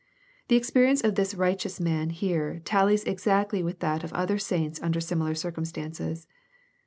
The experience of this righteous man here, tallies exactly with that of other saints under similar circum stances.